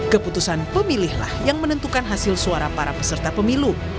keputusan pemilihlah yang menentukan hasil suara para peserta pemilu